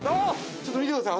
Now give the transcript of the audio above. ちょっと見てください！